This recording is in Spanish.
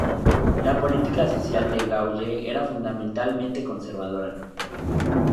La política social de De Gaulle era fundamentalmente conservadora.